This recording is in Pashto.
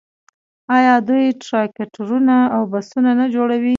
آیا دوی ټراکټورونه او بسونه نه جوړوي؟